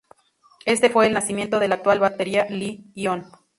Este fue el nacimiento de la actual batería Li-ion.